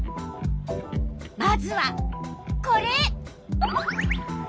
まずはこれ。